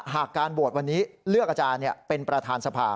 หากการโหวตวันนี้เลือกอาจารย์เป็นประธานสภา